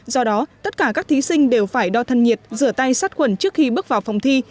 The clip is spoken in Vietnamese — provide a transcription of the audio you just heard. do đó tất cả các thí sinh đều phải đo thân nhiệt rửa tay sát khuẩn trước khi bước vào phòng thi